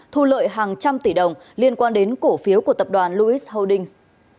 thu lợi hàng trăm tỷ đồng liên quan đến cổ phiếu của tập đoàn lois holdings